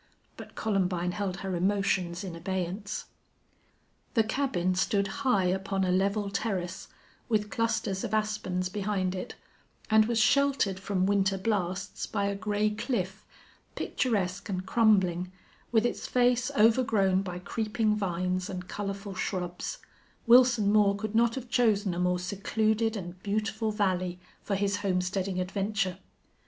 But Columbine held her emotions in abeyance. The cabin stood high upon a level terrace, with clusters of aspens behind it, and was sheltered from winter blasts by a gray cliff, picturesque and crumbling, with its face overgrown by creeping vines and colorful shrubs, Wilson Moore could not have chosen a more secluded and beautiful valley for his homesteading adventure.